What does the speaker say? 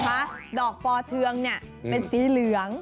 ดอกปอเทืองเนี่ยเป็นสีเหลือง